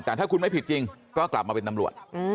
แต่ถ้าคุณไม่ผิดจริงก็กลับมาเป็นตำรวจ